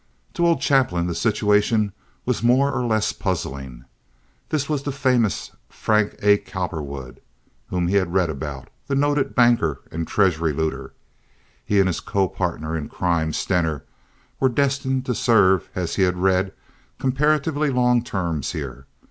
To old Chapin the situation was more or less puzzling. This was the famous Frank A. Cowperwood whom he had read about, the noted banker and treasury looter. He and his co partner in crime, Stener, were destined to serve, as he had read, comparatively long terms here.